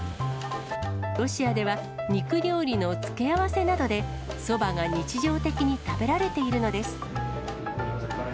ロシアでは、肉料理の付け合わせなどで、そばが日常的に食べられているのです。